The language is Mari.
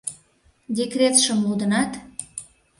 Декретшым лудынат?